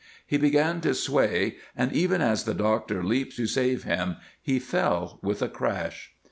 He began to sway, and even as the doctor leaped to save him he fell with a crash.